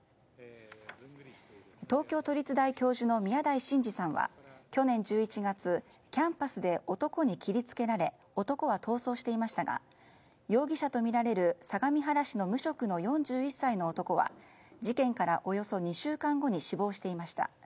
東京都立大教授の宮台真司さんは去年１１月キャンパスで男に切り付けられ男は逃走していましたが容疑者とみられる相模原市の無職の４１歳の男は事件からおよそ２週間後に死亡していました。